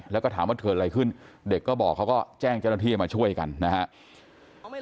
แล้วก็ถามว่าเกิดอะไรขึ้นเด็กก็บอกเขาก็แจ้งเจ้าหน้าที่ให้มาช่วยกันนะครับ